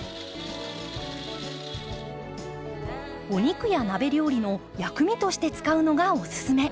お肉や鍋料理の薬味として使うのがおすすめ。